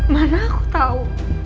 mana aku tahu